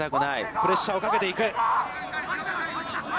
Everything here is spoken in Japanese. プレッシャーをかけていく。